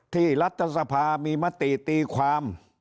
รัฐสภามีมติตีความ